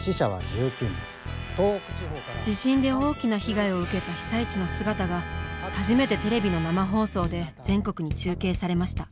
地震で大きな被害を受けた被災地の姿が初めてテレビの生放送で全国に中継されました。